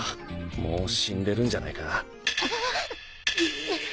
もう死んでるんじゃないか。